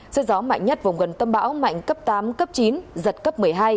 sức gió mạnh nhất vùng gần tâm bão mạnh cấp tám cấp chín giật cấp một mươi hai